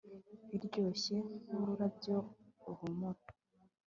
biryoshye nkururabyo ruhumura